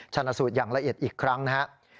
ชนะสูตรอย่างละเอียดอีกครั้งนะครับ